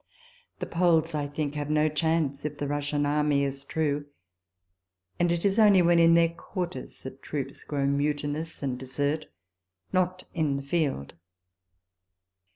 The Poles, I think, have no chance if the Russian army is true ; and it is only when in their quarters that troops grow mutinous and desert ; not in the field.